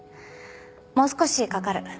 もう少しかかる。